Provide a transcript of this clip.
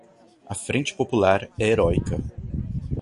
A Frente Popular é heroica